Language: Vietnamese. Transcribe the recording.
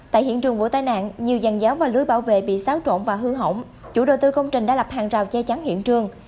tại hiện trường vụ tai nạn nhiều giàn giáo và lưới bảo vệ bị xáo trộn và hư hỏng chủ đầu tư công trình đã lập hàng rào che chắn hiện trường